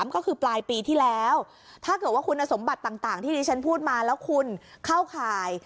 ก็คือปลายปีที่แล้วถ้าเกิดว่าคุณสมบัติต่างที่ดิฉันพูดมาแล้วคุณเข้าข่าย